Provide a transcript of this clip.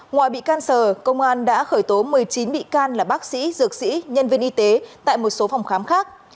ngoài bị can sở công an đã khởi tố một mươi chín bị can là bác sĩ dược sĩ nhân viên y tế tại một số phòng khám khác